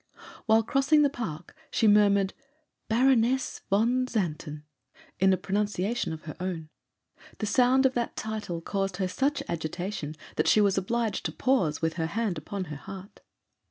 While crossing the park she murmured 'Baroness von Xanten' in a pronunciation of her own. The sound of that title caused her such agitation that she was obliged to pause, with her hand upon her heart.